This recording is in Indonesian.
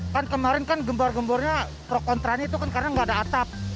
kan kemarin kan gembor gembornya pro kontranya itu kan karena nggak ada atap